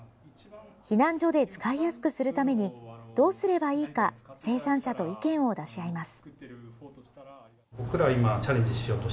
避難所で使いやすくするためにどうすればいいか生産者と意見を出し合います。